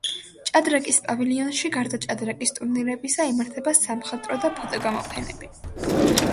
ჭადრაკის პავილიონში გარდა ჭადრაკის ტურნირებისა იმართება სამხატვრო და ფოტო გამოფენები.